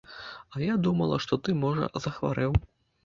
А я думала, што ты, можа, захварэў.